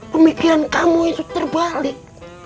pemikiran kamu itu terbalik